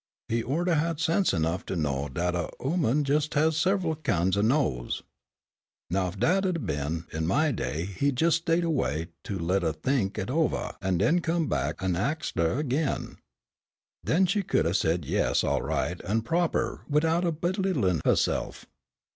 He orter had sense enough to know dat a ooman has sev'al kin's o' noes. Now ef dat 'ud 'a' been in my day he'd a jes' stayed away to let huh t'ink hit ovah an' den come back an' axed huh ag'in. Den she could 'a' said yes all right an' proper widout a belittlin' huhse'f.